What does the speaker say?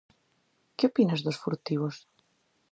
Que opinas dos furtivos?